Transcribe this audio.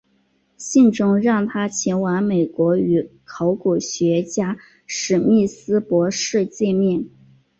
信中让他前往美国与考古学家史密斯博士见面。